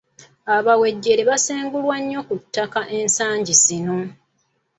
Abawejjere basengulwa nnyo ku ttaka ensangi zino.